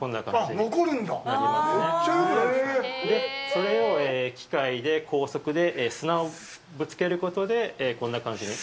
それを機械で高速で砂をぶつけることで、こんな感じに。